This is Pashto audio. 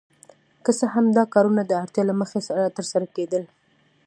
که څه هم دا کارونه د اړتیا له مخې ترسره کیدل.